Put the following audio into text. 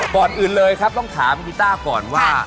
ก่อนอื่นเลยครับต้องถามคุณกิต้าก่อนว่า